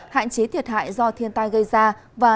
hạn chế thiệt hại do thiên tai gây ra